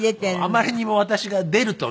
あまりにも私が出るとね